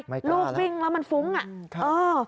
ไม่กล้าแล้วคุณสมิทร์ลูกวิ่งแล้วมันฟุ้งอะเออ